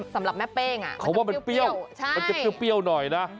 สำหรับแม่เป้งมันจะเปรี้ยวใช่มันจะเปรี้ยวหน่อยนะ